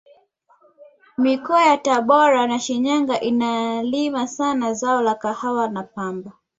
mikoa ya tabora na shinyanga inalima sana zao la kahawa na pamba